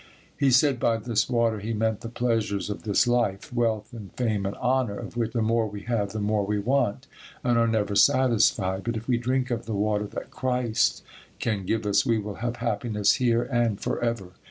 He said by this water he meant the pleasures of this life, wealth and fame and honor, of which the more we have the more we want and are never satisfied, but if we drink of the water that Christ can give us we will have happiness here and forever.